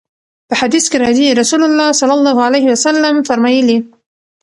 په حديث کي راځي: رسول الله صلی الله عليه وسلم فرمايلي: